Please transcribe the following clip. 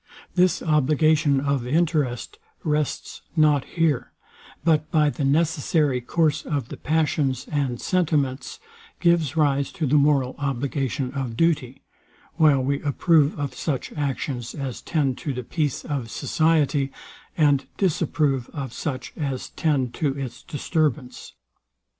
This obligation of interest rests nor here; but by the necessary course of the passions and sentiments, gives rise to the moral obligation of duty; while we approve of such actions as tend to the peace of society, and disapprove of such as tend to its disturbance.